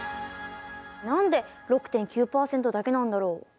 何で６．９％だけなんだろう？